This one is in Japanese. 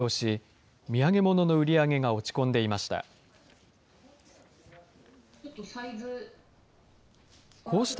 観光客が減少し、土産物の売り上げが落ち込んでいました。